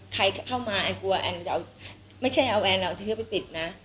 ใครเข้ามาอันกลัวอันมันจะเอาไม่ใช่เอาอันจะเอาเชื้อไปติดนะ